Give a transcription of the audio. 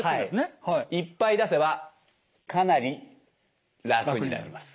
いっぱい出せばかなり楽になります。